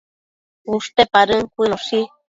ushte padën cuënoshi